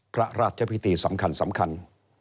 พระราชพิธีสำคัญสำคัญ